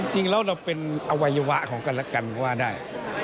จริงแล้วเราเป็นอวัยวะของกันและกันก็ว่าได้